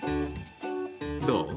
どう？